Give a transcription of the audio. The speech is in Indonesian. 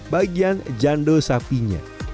bagian jandul sapinya